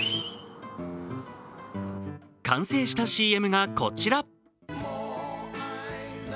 完成したＣＭがこちら。